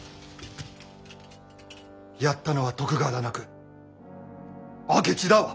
やったのは徳川だなく明智だわ。